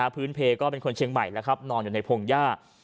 พื้นเพก็เป็นคนเชียงใหม่แล้วครับนอนอยู่ในพงหญ้า